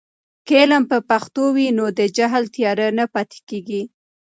که علم په پښتو وي، نو د جهل تیارې نه پاتې کیږي.